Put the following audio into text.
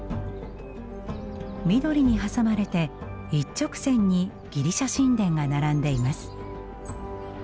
緑に挟まれて一直線にギリシャ神殿が並んでいます。